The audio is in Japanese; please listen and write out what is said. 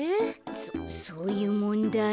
そそういうもんだい？